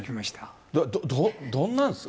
どんなんですか？